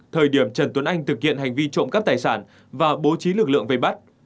thời điểm trần tuấn anh thực hiện hành vi trộm cắp tài sản và bố trí lực lượng vây bắt